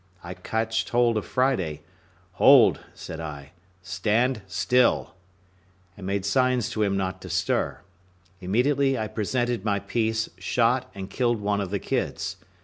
I catched hold of Friday. "Hold," said I, "stand still;" and made signs to him not to stir: immediately I presented my piece, shot, and killed one of the kids.